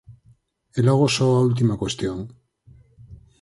E logo só a última cuestión.